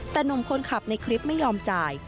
แต่หนุ่มคนขับในคลิปไม่ยอมจ่าย